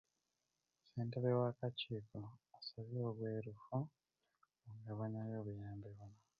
Ssentebe w'akakiiko asabye obwerufu mu ngabanya y'obuyambi buno.